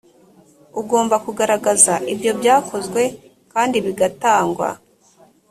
ugomba kugaragaza ibyo byakozwe kandi bigatangwa